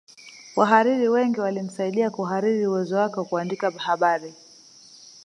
Wahariri wengi walimsaidia kuhariri uwezo wake wa kuandika habari